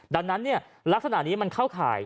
ดังนั้นลักษณะนี้มันเข้าข่าย